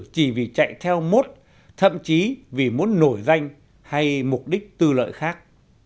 chỉ vì chạy theo mốt thậm chí vì muốn nổi danh hay mục đích tư lợi khác